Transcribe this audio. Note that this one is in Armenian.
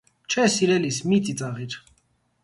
- Չէ, սիրելիս, մի ծիծաղիր.